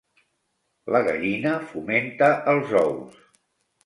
La gallina fomenta els ous.